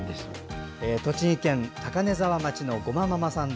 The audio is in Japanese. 栃木県高根沢町のごまママさん。